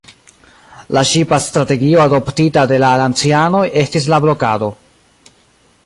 La ŝipa strategio adoptita de la aliancanoj estis la blokado.